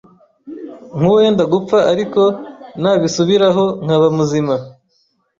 nkuwenda gupfa ariko nabisubiraho nkaba muzima,